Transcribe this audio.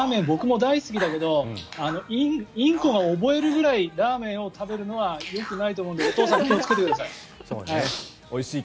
僕も大好きだけどインコが覚えるくらいラーメンを食べるのはよくないと思うのでお父さん、気をつけてください。